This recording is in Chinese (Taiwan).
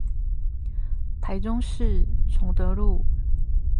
台中市崇德路